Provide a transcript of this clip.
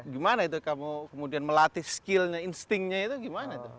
gimana itu kamu kemudian melatih skillnya instingnya itu gimana tuh